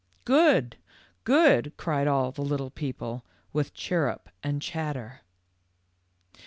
w Good ! Good !" cried all the little people, with chirrup and chatter.